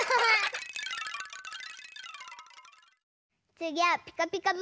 つぎは「ピカピカブ！」だよ。